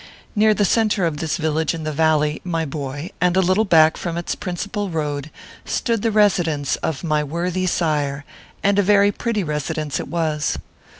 Near the centre of this village in the valley, my boy, and a little back from its principal road, stood the residence of my worthy sire and a very pretty residence it was.